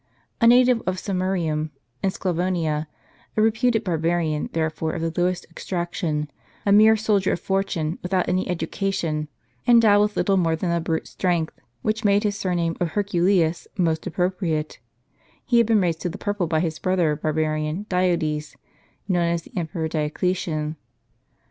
A native of Sirmium, in Sclavonia, a reputed barbarian therefore of the lowest extraction, a mere soldier of fortune, without any education, endowed with little moi e than a brute strength, which made his surname of Herculeus most appropriate, he had been raised to the purple by his brother barbarian Diodes, known as the emperor Dioclesian.